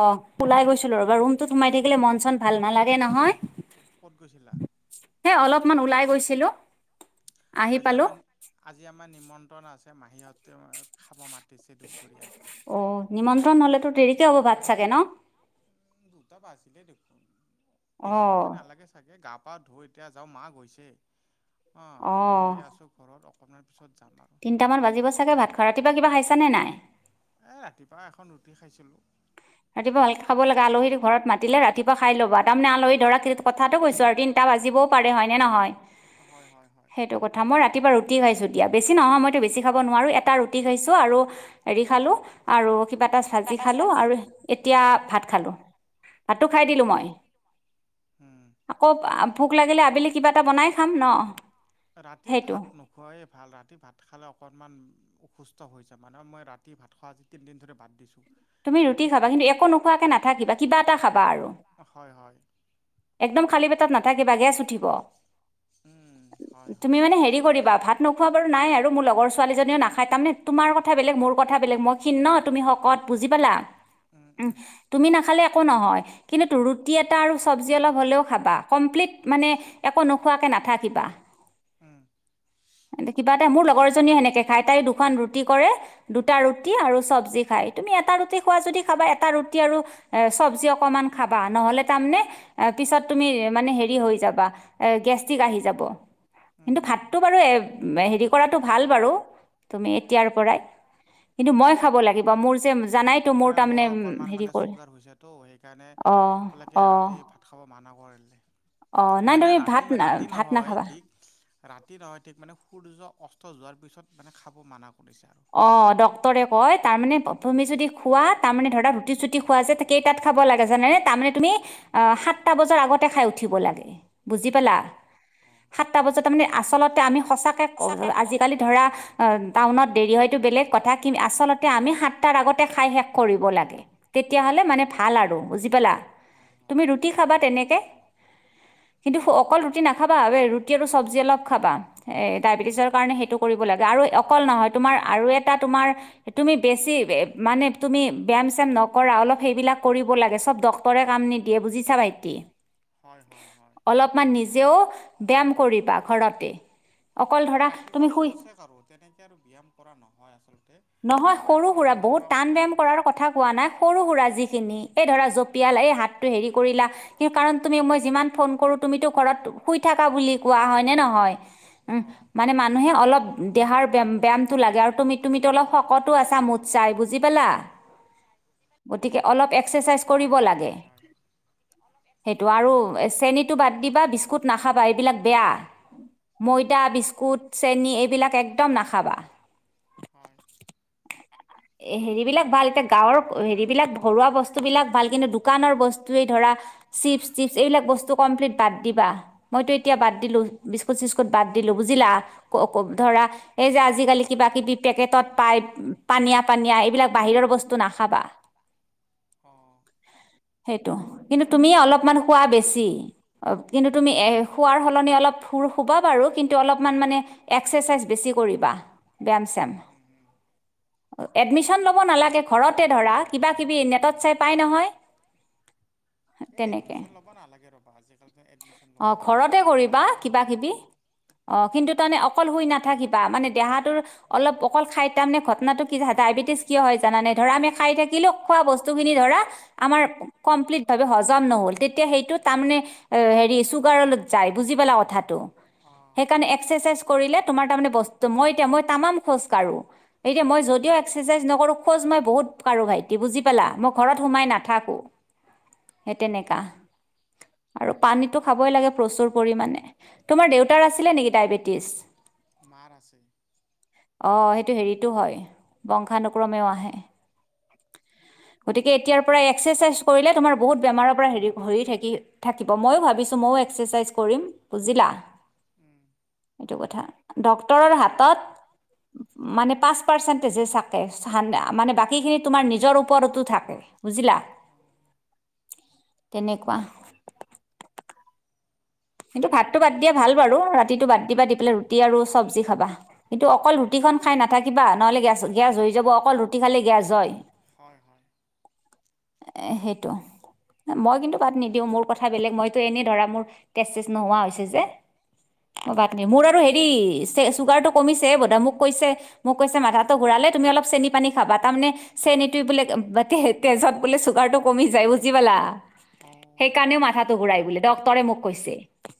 অ', ওলাই গৈছিলো ৰবা। ৰুমটোত সোমাই থাকিলে মন চন ভাল নালাগে নহয়? এ অলপমান ওলাই গৈছিলোঁ। আজি আমাৰ আজি আমাৰ নিমন্ত্ৰণ আছে মাহীহঁতে খাব মাতিছে দুপৰীয়া। অ', নিমন্ত্ৰণ হ'লেতো দেৰিকৈ হ'ব ভাত চাগে ন? দুটা বাজিলে দেখোন, বেছি সময় নালাগে। তাকে গা পা ধুই এতিয়া যাওঁ, মা গৈছে? অ', মই আছোঁ ঘৰত অক অকমান পিছত যাম আৰু। তিনিটামান বাজিব চাগে ভাত খোৱা। ৰাতিপুৱা কিবা খাইছা নে নাই? এ ৰাতিপুৱা এখন ৰুটি খাইছিলোঁ। ৰাতিপুৱা ভাল কে খাব লাগে। আলহীটো ঘৰত মাতিলে ৰাতিপুৱা খাই লবা, তাৰমানে আলহী ধৰা খিন কথাটো কৈছোঁ আৰু তিনিটা বাজিবও পাৰে হয়নে নহয়? হয়' হয়'হয়। সেইটো কথা। মই ৰাতিপুৱা ৰুটি খাইছোঁ দিয়া, বেছি নহয় মই বেছি খাব নোৱাৰো এটা ৰুটি টি খাইছোঁ আৰু হেৰি খালোঁ আৰু কিবা এটা ভাজি খালোঁ আৰু এতিয়া ভাত খালো, ভাতটো খাই দিলো মই। আকৌ ভোক লাগিলে আবেলি কিবা এটা বনাই খাম ন? ৰাতি ভাত নোখোৱাইেই ভাল। ৰাতি ভাত খালে অকণমান অসুস্থ হৈ যাবা ন, মই ৰাতি ভাত খোৱা আজি তিনিদিন ধৰি বাত দিছোঁ। তুমি ৰুটি খাবা কিন্তু, একো নোখোৱাকে নাথাকিবা, কিবা এটা খাবা আৰু। একদম খালী পেটত নাথাকিবা, গেছ উঠিব? তুমি মানে হেৰি কৰিবা ভাত নোখোৱা বাৰু নাই আৰু মোৰলগৰ ছোৱালীজনীয়েও নাখাই, তাৰমানে তোমাৰ কথা বেলেগ মোৰ কথা বেলেগ, মই ক্ষীণ ন তুমি শকত। বুজি পালা? উম, তুমি নাখালে একো নহয়। কিন্তু ৰুটি এটা আৰু চব্জি অলপ হ'লেও খাবা। কমপ্লিট মানে একো নোখোৱাকে নাথাকিবা। উম। কিন্ত কিবা এটা, মোৰ লগৰজনীয়ে সেনেকে খাই তাই দুখন ৰুটি কৰে- দুটা ৰুটি আৰু চব্জি খাই। তুমি এটা ৰুটি খোৱা যদি খাবা। এটা ৰুটি আৰু চব্জি অকণমান খাবা। নহ'লে তাৰমানে এ পিছত তুমি মানে হেৰি হৈ যাবা এ গেষ্টিক আহি যাব। কিন্তু ভাতটো বাৰু হেৰি কৰাটো ভাল বাৰু তুমি এতিয়াৰ পৰাই। কিন্তু মই খাব লাগিব মোৰ যে জানাই মানে মোৰ অকণমান মানে চুগাৰ হৈছেতো সেইকাৰণে অলৈকে ৰাতি ভাত ভাত খাব মানা কৰিলে, মানে ৰাতি ৰাতি নহয় ঠিক ৰাতি নহয় ঠিক মানে সূৰ্য অস্ত যোৱাৰ পিছত মানে খাব মানা কৰিছে আৰু। অ ডক্তৰে কয় তাৰ মানে তুমি যদি খোৱা তাৰ মানে ধৰা ৰুটি চুটি খোৱা যে কেইটাত খাব লাগে জানে নে, তাৰমানে তুমি অ সাতটা বজাৰ আগতে খাই উঠিব লাগে। বুজি পালা? সাতটা বজাত তাৰ মানে আচলতে আমি সঁচাকে কওঁ আজিকালি ধৰা টাউনত দেৰি হয়তো বেলেগ কথা কিন্তু আচলত তে আমি সাতটাৰ আগতে খাই শেষ কৰিব লাগে। তেতিয়' হলে মানে ভাল আৰু বুজি পালা, তুমি ৰুটি খাবা তেনেকে। কিন্তু অকল ৰুটি নাখাবা ৰুটি আৰু চব্জি অলপ খাবা, এই ডায়েবেটিছৰ কাৰণে সেইটো কৰিব লাগে আৰু অকল নহয় তোমাৰ আৰু এটা তোমাৰ তুমি বেছি মানে তুমি ব্যায়াম চাম নকৰা অলপ সেইবিলাক কৰিব লাগে সব ডক্তৰে কাম নিদিয়ে বুজিছা ভাইটি? হয় হয় হয়। অলপমান নিজেও ব্যায়াম কৰিবা ঘৰতে। এই ৰাতিপুৱা খোচে কাৰো তেনেকে আৰু ব্যায়াম কৰা নহয় আচলতে। নহয় সৰু সুৰা বহুত টান ব্যায়াম কৰাৰ কথা কোৱা নাই সৰু সুৰা যিখিনি এই ধৰা জঁপিয়ালা এই হাতটো হেৰি কৰিলা। কিন্ত কাৰণ তুমি মই যিমান ফোন কৰো তুমিতো ঘৰত শুই থাকা বুলি কোৱা হয় নে নহয়? উম মানে মানুহে অলপ দেহাৰ ব ব্যায়ামটো লাগে আৰু তুমি তুমিতো অলপ শকটো আছা মুঠচাই বুজি পালা? গতিকে অলপ এক্সাৰচাইজ কৰিব লাগে। সেইটো আৰু চেনীটো বাদ দিবা বিস্কুট নাখাবা এইবিলাক বেয়া, ময়দা বিস্কুট চেনী এইবিলাক একদম নাখাবা। হয়। হেৰিবিলাক ভাল এতিয়া গাঁৱৰ হেৰিবিলাক ঘৰুৱা বস্তুবিলাক ভাল কিন্তু দোকানৰ বস্তুৱেই ধৰা চিপছ টিপছ এইবিলাক বস্তু কমপ্লিট বাদ দিবা। মইতো এতিয়া বাদ দিলো বিস্কুত চিস্কুত বাদ দিলো বুজিলা? ক ক ধৰা এই যে আজিকালি কিবা কিবি পেকেটত পাই পানীয়া পানীয়া এইবিলাক বাহিৰৰ বস্তু নাখাবা। সেইটো, কিন্তু তুমি অলপ অলপমান শুৱা বেছি, অ কিন্তু তুমি এ শুৱাৰ সলনি অলপ সুৰ শুবা বাৰু কিন্তু অলপমান মানে এক্সাৰচাইজ বেছি কৰিবা ব্যায়াম চ্যাম। উম হুম। এডমিশ্যন ল'ব নালাগে ঘৰতে ধৰা কিবা কিবি নেটত চাই পাই নহয়। এ এডমিশ্যন ল'ব নালাগে ৰ'বা আজিকালি অ ঘৰতে কৰিবা কিবা কিবি অ কিন্তু তাৰমানে অকল শুই নাথাকিবা মানে দেহাটোৰ অলপ অকল খাই তাৰানে ঘটনাটো [unintelligible] ডায়বেটিছ কিয় হয় জানানে ধৰা আমি খাই থাকিলো খোৱা বস্তুখিনি ধৰা আমাৰ কমপ্লিট ভাৱে হজম নহল তেতিয়া সেইটো তাৰমানে হেৰি চুগাৰলৈ যায় বুজি পালা কথাটো, সেইকাৰণে এক্সাৰচাইজ কৰিলে তোমাৰ তাৰ মানে বস্তু মই এতিয়া মই তামম খোজ কাঢ়ো। এতিয়া মই যদিও এক্সাৰচাইজ নকৰোঁ খোজ মই বহুত কাৰো ভাইটি বুজি পালা মই ঘৰত সোমাই নাথাকোঁ সেই তেনেকুৱা। আৰু পানীটো খাবই লাগে প্ৰচুৰ পৰিমাণে, তোমাৰ দেউতাৰ আছিলে নেকি ডায়বেটিছ? মাৰ আছে। অঁ সেইটো হেৰিটো হয়, বংশ নুক্ৰমেও আহে। গতিকে এতিয়াৰ পৰা এক্সাৰচাইজ কৰিলে তোমাৰ বহুত বেমাৰৰ পৰা হেৰি হৈ থাকি থাকিব, ময়ো ভাবিছোঁ ময়ো এক্সাৰচাইজ কৰিম বুজিলা? উম। এইটো কথা ডক্তৰৰ হাতত মানে পাঁচ পাৰ্চেন্টেজে চাকে থাকে মানে, বাকীখিনিত তোমাৰ নিজৰ ওপৰতো থাকে বুজিলা তেনেকুৱা। কিন্তু ভাতটো বাদ দিয়া ভাল বাৰু, ৰাতিটো বাদ দিবা দি পেলাই ৰুটি আৰু চব্জি খাবা। কিন্তু অকল ৰুটিখন খাই নাথাকিবা, নহ'লে গেছ গেছ হৈ যাব, অকল ৰুটি খালে গেছ হয়। হয়, হয়। এ সেইটো, মই কিন্তু বাদ নিদিও। মোৰ কথা বেলেগ। মইতো এনে ধৰা মোৰ তেজ চেজ নোহোৱা হৈছে যে অ বাদ নেদিও, মোৰ আৰু হেৰি চুগাৰটো কমিছে বদা মোক কৈছে মোক কৈছে মাথাটো ঘূৰালে তুমি অলপ চেনি পানী খাবা। তাৰমানে চেনিটো বোলে তেজত বোলে চুগাৰ টো কমি যায় বুজি পালা? সেই কাৰণেও মাথাটো ঘূৰাই বুলি ডাক্তৰে মোক কৈছে।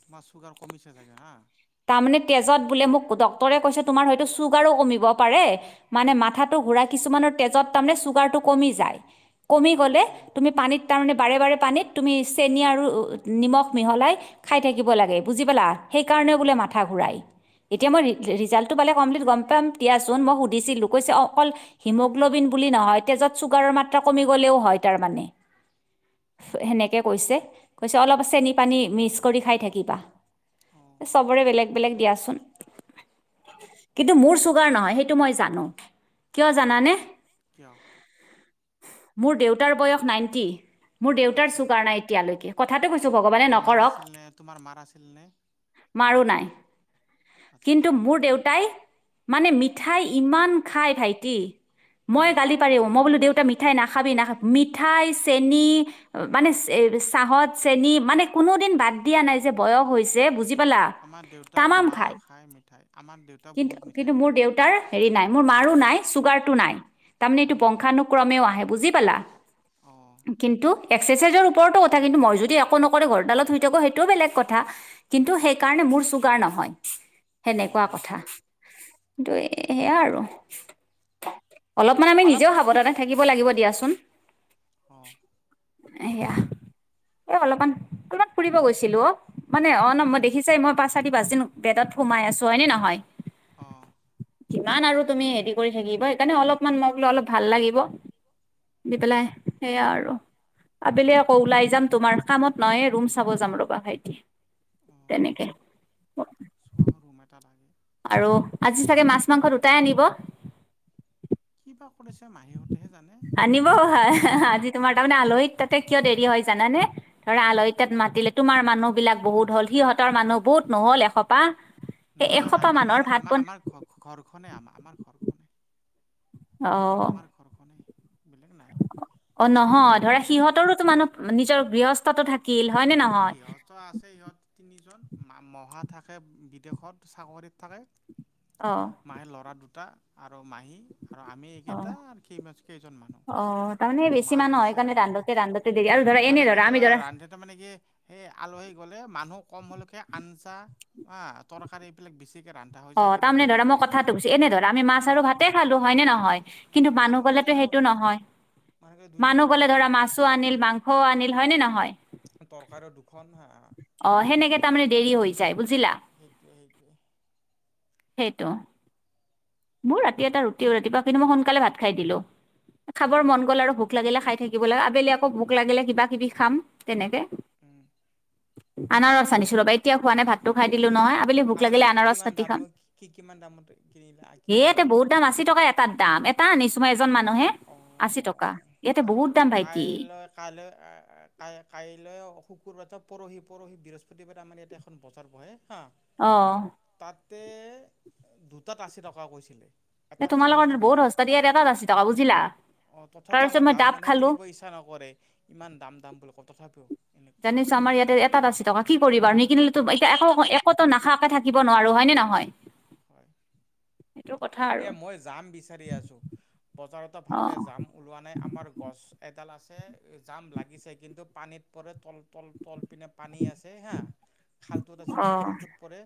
তোমাৰ চুগাৰ কমিছে চাগে হা'। তাৰমানে তেজত বোলে মোক ডক্তৰে কৈছে তোমাৰ হয়তো চুগাৰো কমিব পাৰে, মানে মাথাটো ঘূৰাই কিছুমানৰ তেজত তাৰ মানে চুগাৰটো কমি যায়। কমি গ'লে তুমি পানীত তাৰমানে বাৰে বাৰে পানীত তুমি চেনি আৰু নিমখ মিহলাই খাই থাকিব লাগে বুজি পালা? সেইকাৰণে বোলে মাথা ঘূৰাই। এতিয়া মই ৰি ৰিজাল্টটো পালে কমপ্লিট গ'ম পাম দিয়াচোন, মই সুধিছিলোঁ কৈছে অকল হিমগ্ল'বিন বুলি নহয়, তেজত চুগাৰৰ মাত্ৰা কমি গ'লেও হয় তাৰ মানে। সেনেকৈ কৈছে, কৈছে অলপ চেনি পানী মিক্স কৰি খাই থাকিবা, চবৰে বেলেগ বেলেগ দিয়াচোন। কিন্তু মোৰ চুগাৰ নহয় সেইটো মই জানো। কিয় জানানে? কিয়? মোৰ দেউতাৰ বয়স নাইনটি, মোৰ দেউতাৰ চুগাৰ নাই এতিয়ালৈকে। কথাটো কৈছো ভগৱান মাৰ আছিল নে তোমাৰ মাৰ আছিল নে? মাৰো নাই। কিন্তু মোৰ দেউ তাই মানে মিঠাই ইমান খাই ভাইটি মই গালি পাৰো মই বোলো দেউতা মিঠাই নাখাবি নাখাবি, মিঠাই চেনি মানে এ চাহত চেনী মানে কোনো দিন বাদ দিয়া নাই যে বয়স হৈছে বুজি আমাৰ দেউতাও ইমান খায় মিঠাই, আমাৰ দেউতাও বহুত মিঠাই খায়। তাৰ হেৰি নাই, মোৰ মাৰো নাই চুগাৰটো নাই। তাৰমানে এইটো বংশানুক্ৰমেও আহে বুজি পালা? অ'। কিন্তু এক্সাৰচাইজৰ ওপৰতো কথা, কিন্তু মই যদি একো নকৰি ঘৰ ডালত শুই থাকো সেইটো টো বেলেগ কথা, কিন্তু সেইকাৰণে মোৰ চুগাৰ নহয় সেনেকুৱা কথা। ন্তু এ সেয়া আৰু। অলপমান আমি নিজেও সাৱধানে থাকিব লাগিব দিয়াচোন। সেইয়া, এই অলপমান কৰোবাত ফুৰিব গৈছ অ' মানে অ' ন মই দেখিছাই মই পাঁচ চাৰি পাঁচ দিন বেতত সোমাই আছো হয়নে নহয়? যিমান আৰু তুমি হেৰি কৰি থাকিবা সেইকাৰণে অলপমান মই ল অলপ ভাল লাগিব। দি পেলাই সেয়া আৰু আবেলি আকৌ ওলাই যাম তোমাৰ কামত নহয় ৰুম চাব যাম ৰ [unintelligible] তেনেকে ৰুম এটা লাগে। আৰু আজি চাগে মাছ মাংসত দুটাই আনিব? কিবা [unintelligible] মাহী আনিব আজি তোমাৰ তাৰমানে আলহী তাতে কিয় দেৰি হয় জানানে? ধৰা আলহী তাত মাতিলে তোমাৰ মানুহ বিলাক বহুত হ'ল সিহঁতৰ মানুহ বহুত নহল এসোপাহ? নাই, নাই আমাৰ আমাৰ আমাৰ ঘৰত ঘৰখনে আম আমাৰ ঘৰখনে আৰু আমাৰ ঘৰখনে বেলেগ নাই। অ' নহয় ধৰা সিহঁতৰোতো মানুহ নিজৰ গৃহস্থতো থাকে। হে [unintelligible] আছে ইহত তিনিজন মহা থাকে বিদেশত চাকৰিত থাকে। মাহে ল'ৰা দুটা আৰু মাহী আৰু আমি একেটা আৰু সেই ম কেইজন মানুহ! মা গৈছে ৰান্ধন মানে কিন্তু ৰান্ধন তাৰমানে কি সেই আলহী গ'লে মানুহ কম হ'লকে আঞ্জা অ' তৰকাৰী এইবিলাক বেছিকে ৰান্ধ। অ' তাৰমানে ধৰা মই কথাটো বুজছো এনে ধৰা আমি মাছ আৰু ভাতে খালো হয় নে নহয়? কিন্তু মানুহ গ'লেতো সেইটো নহয় মানুহ গলে ধৰা মাছো আনিল মাংস অ', আ, অনিল হয় নে নহয়? তৰকাৰী দুখন হা! অ' সেনেকে তাৰমানে দেৰি হৈ যায় বুজিলা। সেইটোৱে সেইটোৱে। সেইটো। মোৰ ৰাতি এটা ৰুটিও ৰাতিপুৱা কিন্তু মই সোনকালে ভাত খাই দিলো খাবৰ মন গ'ল আৰু ভোক লাগিলে খাই থাক লাগে আবেলি আকৌ ভোক লাগিলে কিবা কিবি খাম তেনেকে উম। আনাৰস আনিছিলো ৰ'বা এতিয়া খোৱা নাই ভাতটো খাই দিলো নহয় আবেলি ভোক লাগিলে আনাৰস কাটি খাম। কি কিমান দামত কিনিলা? হেয়া বহুত দাম আশী টকা এটাত দাম এটা আনিছোঁ। তোমাৰ এজন মানুহে আশী টকা ইয়াতে বহুত দাম ভাইটি। কাইলৈ ক কাইলৈ শুকুৰবাৰে পৰহি পৰহি বৃহস্পতিবাৰে আমাৰ ইয়াতে এখন বজাৰ বহে হা অ'। তাতে দুটাত আশী টকা কৈছিলে। এ, তোমালোকৰ বহুত সস্ত দিয়া এটা আশী টকা বুজিলা। অ' তথাপিও আমাৰ গাঁৱৰ মানুহে কিনিব ইচ্ছা নকৰে ইমান দাম দাম বুলি ক' তথাপিও। জানিছো আমাৰ ইতে এাত আছে টকা কি কৰিব আৰু ন নিকিনিলে তো এতিয়া একো একো নাখাকে থাকিব নোৱাৰো হয় নে নহয়? এই মই যাম বিচাৰি আছোঁ বজাৰতে ভালকৈ যাম ওলোৱা নাই আমাৰ গছ এডাল আছে জাম লাগিছে কিন্তু পানীত পৰে তল তল তল পিনে। পানী আছে হা খালটোত আছে পুখুৰীটোত পৰে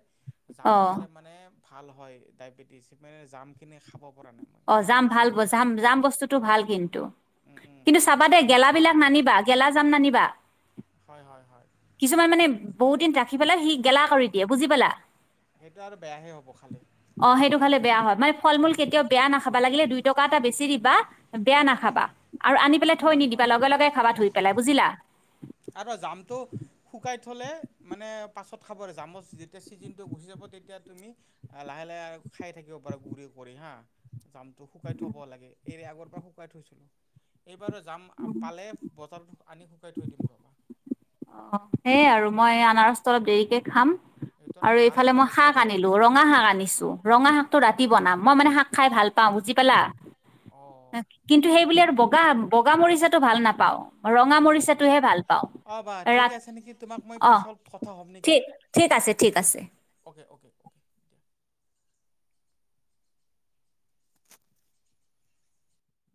জাম খালে মানে। ভাল হয় ডায়েবেটিছ মানে জামখিনি খাব পৰা নাই মানে। অ যাম, ভাল যাম, যাম বস্তুটো ভাল কিন্তু। কিন্তু চাবা দেই গেলাবিলাক নানিবা, গেলা জাম নানিবা। হয়, হয়, হয়। কিছুমান মানে বহুত দিন ৰাখি পেলাই, সি গেলা কৰি দিয়ে বুজি পালা। সেইটো আৰু বেয়াহে হ'ব খালে। অ সেইটো খালে বেয়া হয়, মানে ফল- মূল কেতিয়াও বেয়া নাখাবা, লাগিলে দুই টকা এটা বেছি দিবা। বেয়া নাখাবা আৰু আনি পেলাই থৈ নিদিবা, লগে লগে খাবা ধুই পেলাই, বুজিলা? আৰু জামটো [inaudible] শুকাই থ'লে মানে পাছত খাব, আৰু জামুচ যেতিয়া ছিজনটো গচি যাব তেতিয়া তুমি লাহে লাহে আৰু খাই থাকিব পাৰো, গুৰি কৰি হা জাম। শুকাই থ'ব লাগে এৰে আগৰ পৰা শুকাই থৈছিলোঁ, এইবাৰো যাম পালে বজাৰত আনি শুকাই থৈ দিম ৰ'বা। অ সেইয়ে আৰু মই আনাৰসটো অলপ দেৰিকে খাম। আৰু এইফালে মই শাক আনিলো, ৰঙা শাক আনিছো, ৰঙা শাকটো ৰাতি বনাম, মই মানে শাক খাই ভাল পা পাওঁ বুজি পালা। অ। কিন্তু সেইবুলি আৰু বগা বগা মৰিচাটো ভাল নাপাওঁ, ৰঙা মৰিচাটোহে ভাল পাওঁ। অঁ বা ঠিক আছে নেকি, তোমাক মই পিছত কথা হ'ম নেকি। Okay, okay, okay.